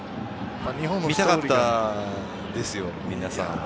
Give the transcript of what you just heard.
見たかったですよ、皆さん。